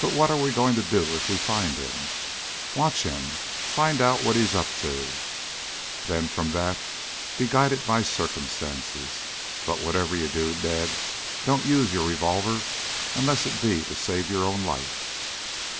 But what are we going to do if we find him?" "Watch him. Find out what he is up to, then from that on be guided by circumstances. But whatever you do, Ned, don't use your revolver unless it be to save your own life."